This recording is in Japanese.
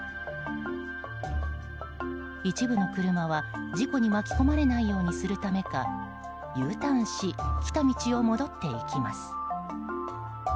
一部の車は事故に巻き込まれないようにするためかＵターンし来た道を戻っていきます。